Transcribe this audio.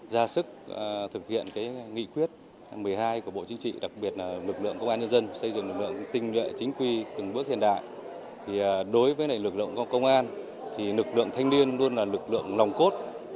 với hy vọng tinh nhuận chính quy từng bước hiện đại đối với lực lượng công an lực lượng thanh niên luôn là lực lượng lòng cốt